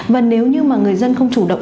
và nếu như người dân không chủ động